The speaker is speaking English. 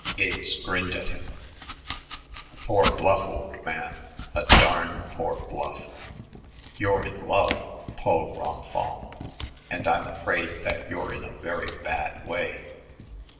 Gates grinned at him. "A poor bluff, old man a darn poor bluff. You're in love, pauvre enfant, and I'm afraid that you're in a very bad way.